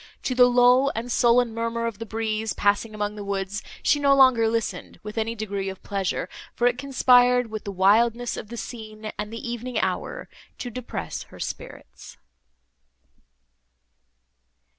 To the low and sullen murmur of the breeze, passing among the woods, she no longer listened with any degree of pleasure, for it conspired with the wildness of the scene and the evening hour, to depress her spirits.